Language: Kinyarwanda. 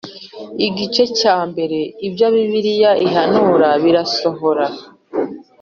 igice cya mbere ibyo bibiliya ihanura birasohora